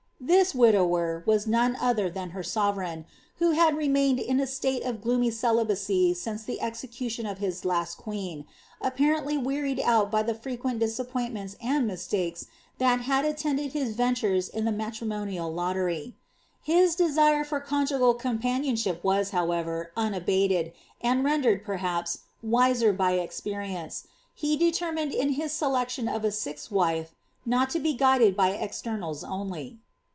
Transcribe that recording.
This widower was no other than her sovereign, who liad remained in a state of gloomy celibacy since the execution of his last queen, apparently wearied out by the frequent disappointments •nd mistakes that had attended his ventures in the matrimonial lottery. His desire for conjugal companions:hip was, however, unabated, and nodered, perhaps, wiser by experience, he determined in his selection of a sixth wife, not to be guided by externals only.